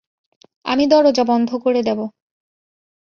আমি দরজা বন্ধ করে দেব।